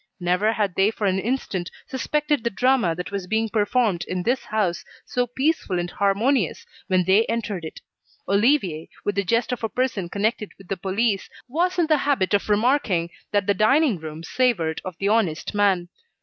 Never had they for an instant suspected the drama that was being performed in this house, so peaceful and harmonious when they entered it. Olivier, with the jest of a person connected with the police, was in the habit of remarking that the dining room savoured of the honest man.